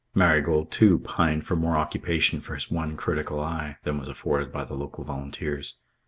Marigold, too, pined for more occupation for his one critical eye than was afforded by the local volunteers.